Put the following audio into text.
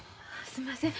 すんません。